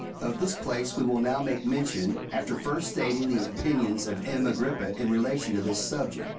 81 this place we will now make mention, after first stating the opinions of M. Agrippa in relation to this subject.